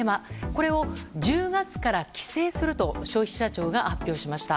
これを１０月から規制すると消費者庁が発表しました。